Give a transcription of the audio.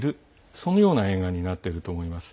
そのような映画になっていると思います。